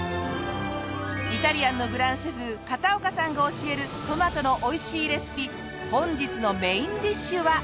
イタリアンのグランシェフ片岡さんが教えるトマトのおいしいレシピ本日のメインディッシュは。